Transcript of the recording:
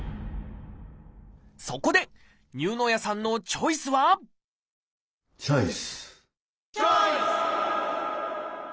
そこで丹生谷さんのチョイスはチョイス！